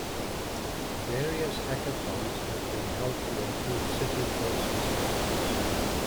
Various hackathons have been held to improve city transit systems.